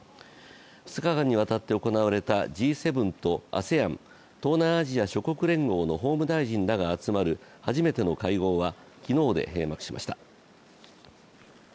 ２日間に渡って行われたＧ７とＡＳＥＡＮ＝東南アジア諸国連合の法務大臣らが集まる初めての会合は昨日で閉幕しました。